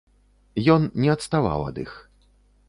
Ён не адставаў ад іх.